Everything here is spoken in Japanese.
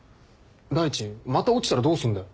第一また落ちたらどうすんだよ。